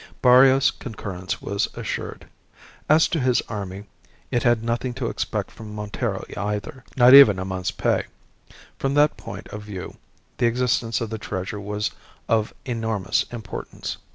Barrios's concurrence was assured. As to his army, it had nothing to expect from Montero either; not even a month's pay. From that point of view the existence of the treasure was of enormous importance.